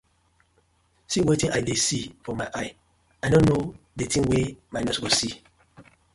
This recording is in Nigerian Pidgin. See wetin I dey see for my eye, I no no di tin wey my nose go see.